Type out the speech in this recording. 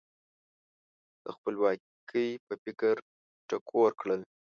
د خپلواکۍ په فکر ټکور کړل.